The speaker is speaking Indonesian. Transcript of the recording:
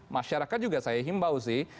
masyarakat juga saya himbau sih